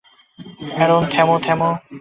Aaron, থামো, থামো।